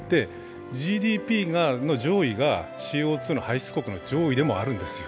ＧＤＰの上位がＣＯ２の排出国の上位でもあるんですよ。